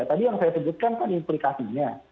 tadi yang saya sebutkan kan implikasinya